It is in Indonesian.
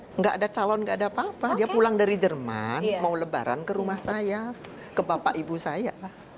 tidak ada calon nggak ada apa apa dia pulang dari jerman mau lebaran ke rumah saya ke bapak ibu saya